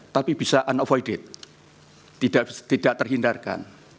tapi bisa unnovided tidak terhindarkan